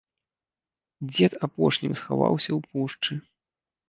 Дзед апошнім схаваўся ў пушчы.